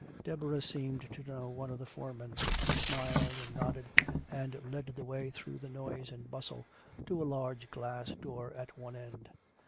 Deborah seemed to know one of the foremen. He smiled and nodded and led the way through the noise and bustle to a large glass door at one end.